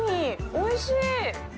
おいしい。